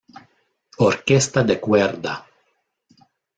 Orquesta de cuerda.